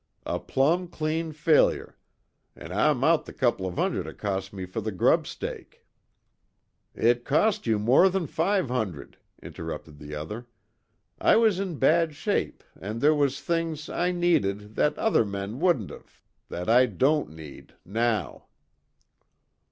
A plumb clane failure an' Oi'm out the couple av hundred it cost me fer the grub stake " "It cost you more than five hundred," interrupted the other. "I was in bad shape and there was things I needed that other men wouldn't of that I don't need now."